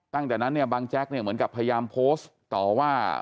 ตั้งแต่นั้นเนี่ยบางแจ๊กเนี่ยเหมือนกับพยายามโพสต์ต่อว่า